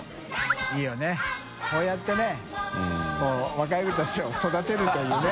いいよねこうやってね若い子たちを育てるというね。